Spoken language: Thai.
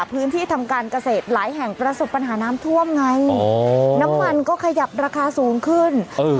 พื้นที่ทำการเกษตรหลายแห่งประสบปัญหาน้ำท่วมไงน้ำมันก็ขยับราคาสูงขึ้นเออ